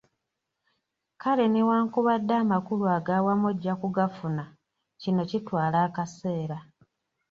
Kale newankubadde amakulu aga wamu ojja kugafuna, kino kitwala akaseera.